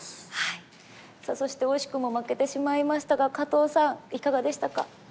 そして惜しくも負けてしまいましたが加藤さんいかがでしたか？